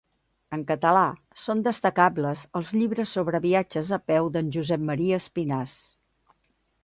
En català, són destacables els llibres sobre viatges a peu d'en Josep Maria Espinàs.